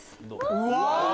うわ！